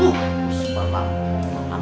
uh super bang